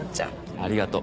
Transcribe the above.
ありがとう。